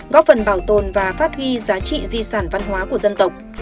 góp phần bảo tồn và phát huy giá trị di sản văn hóa của dân tộc